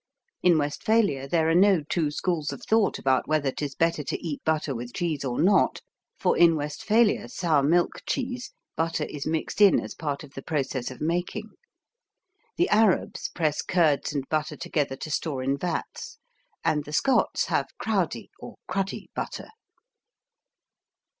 In Westphalia there are no two schools of thought about whether 'tis better to eat butter with cheese or not, for in Westphalia sour milk cheese, butter is mixed in as part of the process of making. The Arabs press curds and butter together to store in vats, and the Scots have Crowdie or Cruddy Butter.